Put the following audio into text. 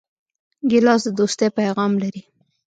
ګیلاس د دوستۍ پیغام لري.